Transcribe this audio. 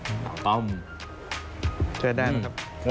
เชื่อด้านครับ